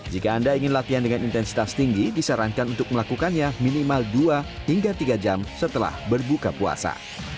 jika anda ingin latihan dengan intensitas tinggi disarankan untuk melakukannya minimal dua hingga tiga jam setelah berbuka puasa